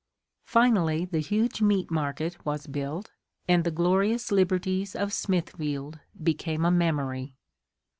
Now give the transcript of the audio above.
Finally the huge meat market was built and the glorious liberties of Smithfield became a memory.